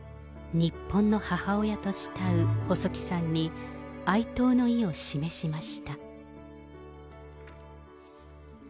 日本の母親と慕う細木さんに、哀悼の意を示しました。